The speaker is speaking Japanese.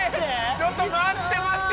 ちょっと待って待って。